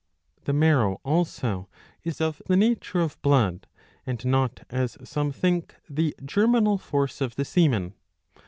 The marrow also is of the nature of blood, and not as some^ think the germinal force of the semen.